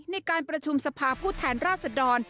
ในการประชุมสภาผู้แทนราชดร